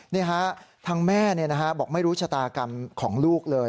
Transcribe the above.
นี่ฮะทางแม่บอกไม่รู้ชะตากรรมของลูกเลย